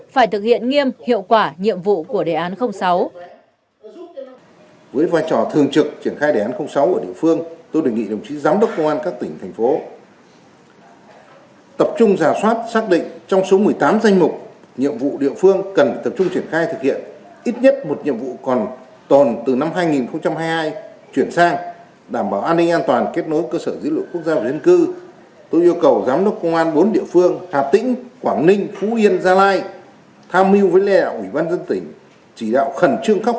phải thực hiện nghiêm hiệu quả nhiệm vụ của đề án sáu